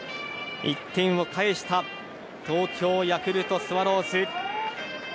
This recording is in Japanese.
１点を返した東京ヤクルトスワローズ。